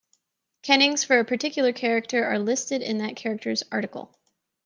Kennings for a particular character are listed in that character's article.